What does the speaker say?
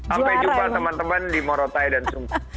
sampai jumpa teman teman di morotai dan sumba